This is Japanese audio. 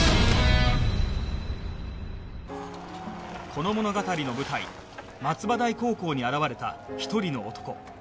この物語の舞台松葉台高校に現れた１人の男